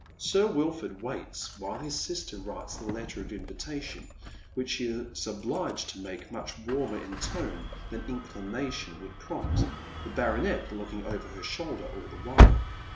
Sir Wilford waits while his sister writes the letter of invita tion, which she is obUged to make much warmer in tone than inclination would prompt ; the baronet looking over her shoulder all the while.